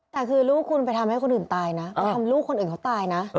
แต่คือลูกคุณไปทำให้คนอื่นตายนะไปทำลูกคนอื่นเขาตายนะ